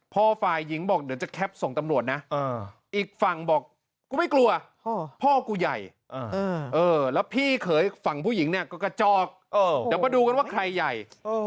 พ่อฟายยิงบอกเดี๋ยวจะแคปส่งตำรวจนะอีกฝั่งบอกกูไม่กลัวพ่อกูใหญ่